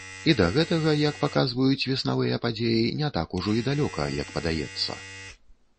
І да гэтага, як паказваюць веснавыя падзеі, не так ужо і далёка, як падаецца.